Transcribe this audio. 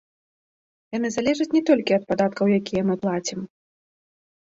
Яны залежаць не толькі ад падаткаў, якія мы плацім.